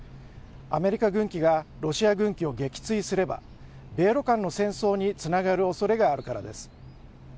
アメリカ軍機がロシア軍機を撃墜すれば米ロ間の戦争につながるおそれがあるからです。